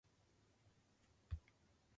青森県新郷村